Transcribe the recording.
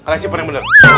resipen yang bener